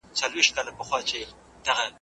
یکه زار نارې یې اورم په کونړ کي جاله وان دی `